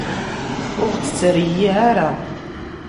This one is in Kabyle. Ur ɣ-tt-ttreyyiε ara.